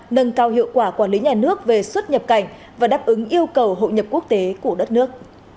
nâng cao hiệu quả quản lý nhà nước về xuất nhập cảnh và đáp ứng yêu cầu hội nhập quốc tế của đất nước